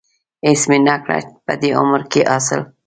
هېڅ مې نه کړه په دې عمر کې حاصل.